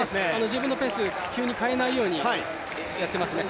自分のペースを急に変えないようにやっていますね。